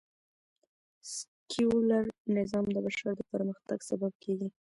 سکیولر نظام د بشر د پرمختګ سبب کېږي